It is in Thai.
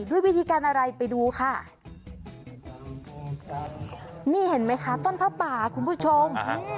ด้วยวิธีการอะไรไปดูค่ะนี่เห็นไหมคะต้นผ้าป่าคุณผู้ชม